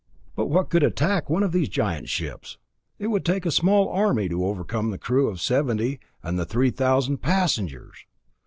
But what could attack one of those giant ships? It would take a small army to overcome the crew of seventy and the three thousand passengers!